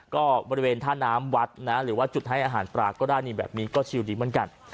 ก็บริเวณท่าน้ำวัดนะหรือว่าจุดให้อาหารปลาก็ได้นี่แบบนี้ก็ชิลดีเหมือนกัน